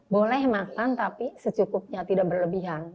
boleh makan tapi secukupnya tidak berlebihan